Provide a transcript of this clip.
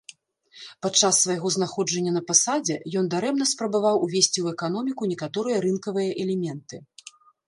Падчас свайго знаходжання на пасадзе, ён дарэмна спрабаваў ўвесці ў эканоміку некаторыя рынкавыя элементы.